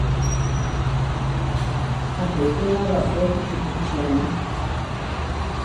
Apečúna wapósi kipehtiáme.